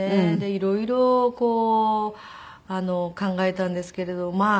色々こう考えたんですけれどまあ